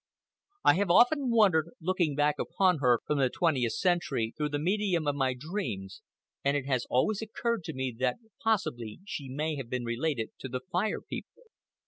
I have often wondered, looking back upon her from the twentieth century through the medium of my dreams, and it has always occurred to me that possibly she may have been related to the Fire People.